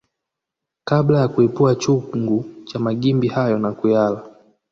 Kabla ya kuepua chungu cha magimbi hayo na kuyala